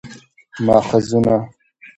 ماخذونه: